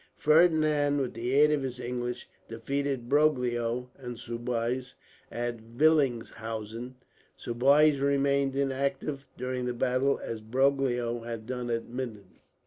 Ferdinand, with the aid of his English, defeated Broglio and Soubise at Villingshausen; Soubise remaining inactive during the battle, as Broglio had done at Minden.